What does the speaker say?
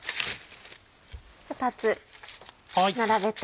２つ並べて。